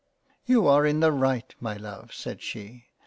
" You are in the right my Love," said she.